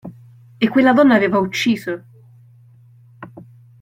E quella donna aveva ucciso!